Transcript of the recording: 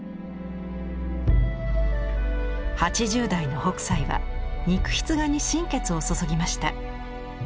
８０代の北斎は肉筆画に心血を注ぎました。